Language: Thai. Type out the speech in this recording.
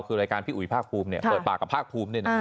คือรายการพี่อุ๋ยภาคภูมิเนี่ยเปิดปากกับภาคภูมินี่นะฮะ